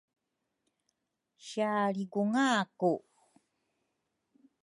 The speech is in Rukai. Sialrigunga ku